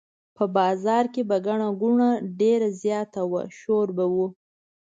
په بازار کې به ګڼه ګوڼه ډېره زیاته وه شور به و.